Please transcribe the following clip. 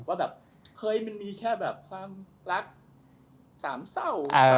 ว่าแบบเคยมันมีแค่แบบความรักสามเศร้า